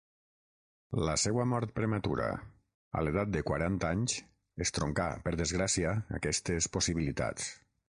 La seua mort prematura, a l'edat de quaranta anys, estroncà, per desgràcia, aquestes possibilitats.